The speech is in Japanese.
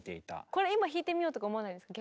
これ今弾いてみようとか思わないですか？